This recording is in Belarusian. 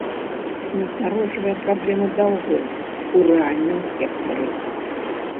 Насцярожвае праблема даўгоў у рэальным сектары.